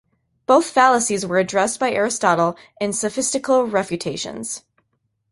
Both fallacies were addressed by Aristotle in "Sophistical Refutations".